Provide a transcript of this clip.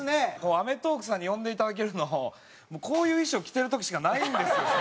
『アメトーーク』さんに呼んでいただけるのもうこういう衣装着てる時しかないんですよ。